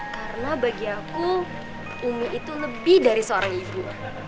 karena bagi aku umi itu lebih dari seorang ibu